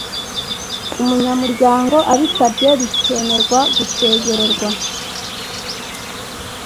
umunyamuryango abisabye bikemerwa gusezererwa